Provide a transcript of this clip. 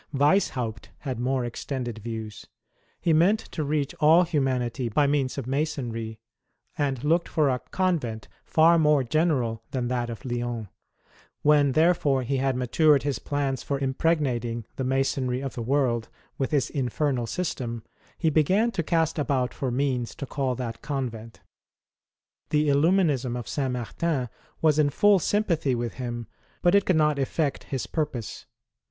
Weishaupt had more extended views. He meant to reach all humanity by means of Masonry, and looked for a " Convent " far more general than that of Lyons. When, therefore, he had matured his plans for impregnating the Masonry of the world with his infernal system , he began to cast about for means to call that Convent. The llluminism of Saint Martin was in full sympathy with him, but it could not effect his purpose.